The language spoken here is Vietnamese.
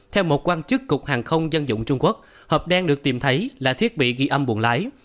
theo một quan chức cục hàng không dân dụng trung quốc hộp đen được tìm thấy là thiết bị ghi âm buồn lái